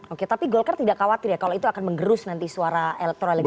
oke tapi golkar tidak khawatir ya kalau itu akan mengerus nanti suara elektronik